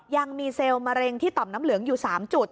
ยังมีเซลล์มะเร็งที่ต่อมน้ำเหลืองอยู่๓จุด